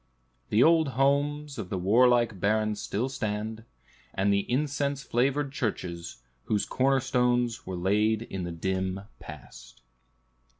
The old homes of the warlike barons still stand, and the incense flavored churches, whose corner stones were laid in the dim past.